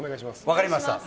分かりました。